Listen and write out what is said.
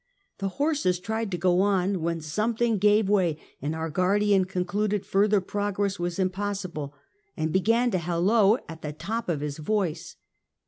The horses tried to go on, when something gave way, and our guardian concluded further progress was impossible, and began to hallo at the top of his voice.